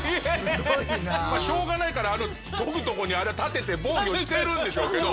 しょうがないからあの研ぐとこにあれ立てて防御してるんでしょうけど。